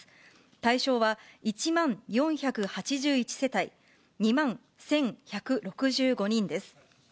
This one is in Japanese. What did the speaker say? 対象は１万４８１世帯、２万１１６５人です。